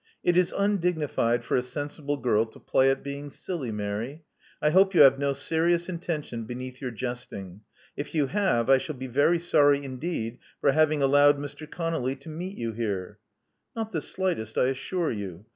*'It is undignified for a sensible girl to play at being silly, Mary. I hope yqu have no serious intention beneath your jesting. If you have, I shall be very sorry indeed for having, allowed Mr. ConoUy to meet you here." Not the slightest, I assure you.